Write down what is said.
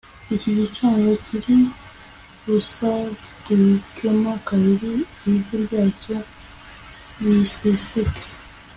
Iki gicaniro kiri busadukemo kabiri ivu ryacyo riseseke